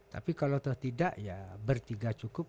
tapi kalau tidak ya bertiga cukup